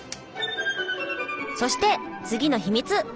そして次の秘密！